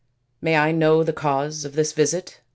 " May I know the cause of this visit